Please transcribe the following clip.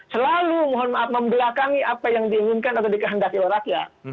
selalu mohon maaf membelakangi apa yang diinginkan atau dikehendaki oleh rakyat